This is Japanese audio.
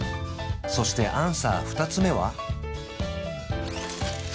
そしてアンサー２つ目は？